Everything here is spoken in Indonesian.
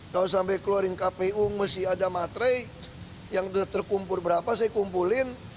kalau sampai keluarin kpu mesti ada materai yang terkumpul berapa saya kumpulin